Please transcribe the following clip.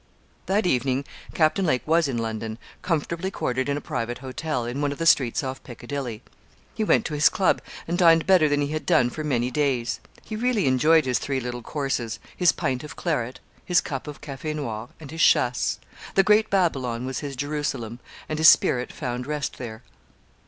That evening Captain Lake was in London, comfortably quartered in a private hotel, in one of the streets off Piccadilly. He went to his club and dined better than he had done for many days. He really enjoyed his three little courses his pint of claret, his cup of cafè noir, and his chasse; the great Babylon was his Jerusalem, and his spirit found rest there.